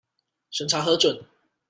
審查核准